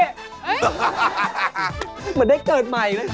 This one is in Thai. เหมือนได้เกิดใหม่เลย